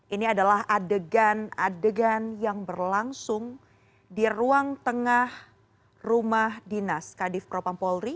ini adalah adegan adegan yang berlangsung di ruang tengah rumah dinas kadif propampolri